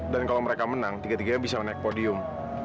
dan kalau mereka menang tiga tiganya bisa naik podium